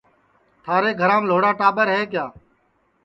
تھارے گھرام لھوڑا ٹاٻر ہے